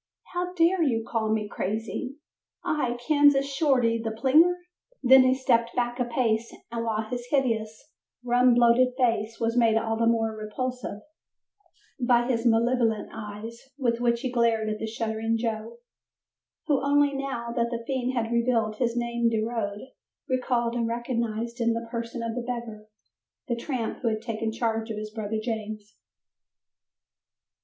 How dare you call me crazy? I, Kansas Shorty, the plinger?" Then he stepped back a pace and while his hideous, rum bloated face was made all the more repulsive by his malevolent eyes with which he glared at the shuddering Joe, who only now, that the fiend had revealed his name de road recalled and recognized in the person of the beggar, the tramp who had taken charge of his brother James.